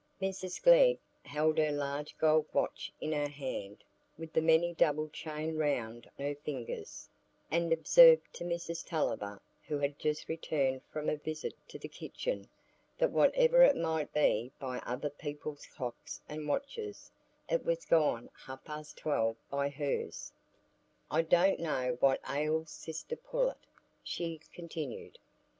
Mrs Glegg held her large gold watch in her hand with the many doubled chain round her fingers, and observed to Mrs Tulliver, who had just returned from a visit to the kitchen, that whatever it might be by other people's clocks and watches, it was gone half past twelve by hers. "I don't know what ails sister Pullet," she continued.